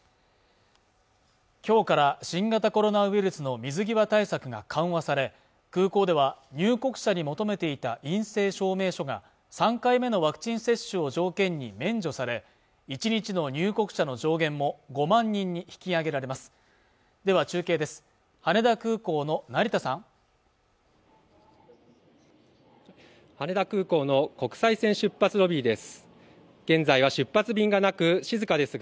今日から新型コロナウイルスの水際対策が緩和され空港では入国者に求めていた陰性証明書が３回目のワクチン接種を条件に免除され１日の入国者の上限も５万人に引き上げられますでは中継です羽田空港の成田さん羽田空港の国際線出発ロビーです